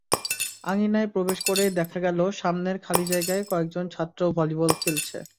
আঙিনায় প্রবেশ করেই দেখা গেল সামনের খালি জায়গায় কয়েকজন ছাত্র ভলিবল খেলছে।